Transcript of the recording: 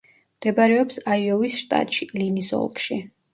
მდებარეობს აიოვის შტატში, ლინის ოლქში.